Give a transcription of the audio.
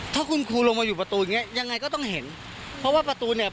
ถ้าคุณครูลงมาอยู่ประตูอย่างเงี้ยังไงก็ต้องเห็นเพราะว่าประตูเนี้ย